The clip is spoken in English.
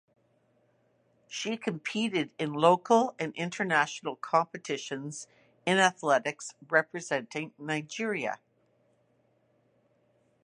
She competed in local and international competitions in athletics representing Nigeria.